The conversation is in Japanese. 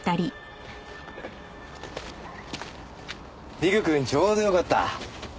陸くんちょうどよかった。